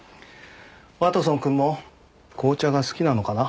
ワトソンくんも紅茶が好きなのかな？